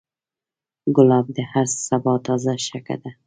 ګلاب د هر سبا تازه شګه ده.